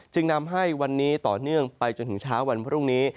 จึงนำให้วันนี้ต่อเนื่องไปจนถึงเช้าวันพรุ่งนี้